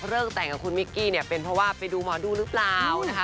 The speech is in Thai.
แต่งกับคุณมิกกี้เนี่ยเป็นเพราะว่าไปดูหมอดูหรือเปล่านะคะ